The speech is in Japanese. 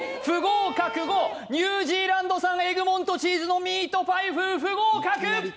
ニュージーランド産エグモントチーズのミートパイ風不合格